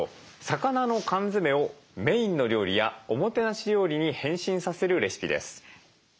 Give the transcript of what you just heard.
魚の缶詰をメインの料理やおもてなし料理に変身させるレシピです。